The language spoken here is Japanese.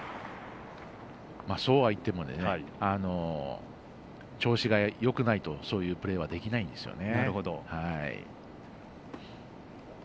そうは言っても調子がよくないとそういうプレーはできないんですよね。